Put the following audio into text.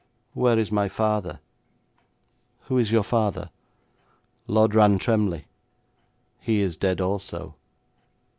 'Where is my father?' 'Who is your father?' 'Lord Rantremly.' 'He is dead also.'